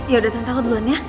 yaudah tante aku duluan ya